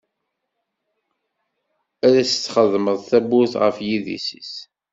Ad s-txedmeḍ tabburt ɣef yidis-is.